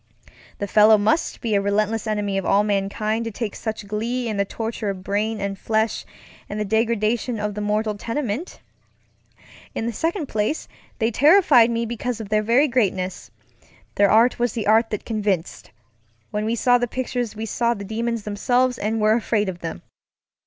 The fellow must be a relentless enemy of all mankind to take such glee in the torture of brain and flesh and the degradation of the mortal tenement. In the second place, they terrified, because of their very greatness. Their art was the art that convincedŌĆöwhen we saw the pictures we saw the demons themselves and were afraid of them.